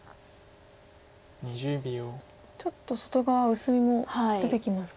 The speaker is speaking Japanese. ちょっと外側薄みも出てきますか。